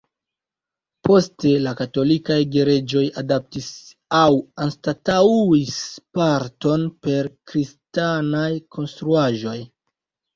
Poste, la Katolikaj Gereĝoj adaptis aŭ anstataŭis parton per kristanaj konstruaĵoj.